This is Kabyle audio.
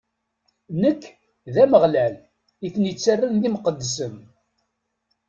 Nekk, d Ameɣlal, i ten-ittarran d imqeddsen.